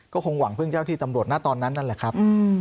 ก็คงหวังพึ่งเจ้าที่ตำรวจนะตอนนั้นนั่นแหละครับ